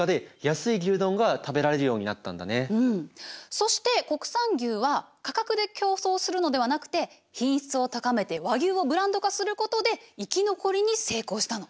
そして国産牛は価格で競争するのではなくて品質を高めて和牛をブランド化することで生き残りに成功したの。